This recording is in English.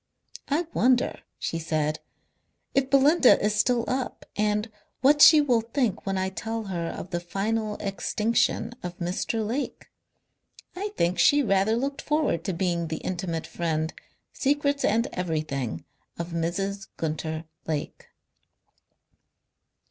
"I wonder," she said, "if Belinda is still up, And what she will think when I tell her of the final extinction of Mr. Lake. I think she rather looked forward to being the intimate friend, secrets and everything, of Mrs. Gunter Lake."